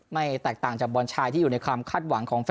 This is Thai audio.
แตกต่างจากบอลชายที่อยู่ในความคาดหวังของแฟน